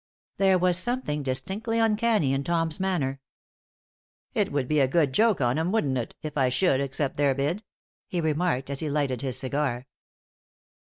There was something distinctly uncanny in Tom's manner. "It would be a good joke on 'em, wouldn't it, if I should accept their bid?" he remarked as he lighted his cigar.